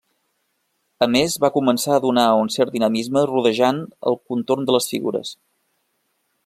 A més, va començar a donar un cert dinamisme rodejant el contorn de les figures.